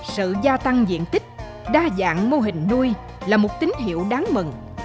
sự gia tăng diện tích đa dạng mô hình nuôi là một tín hiệu đáng mừng